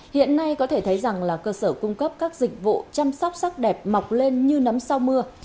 hiện nay có thể thấy rằng là cơ sở cung cấp các dịch vụ chăm sóc sắc đẹp mọc lên như nấm sau mưa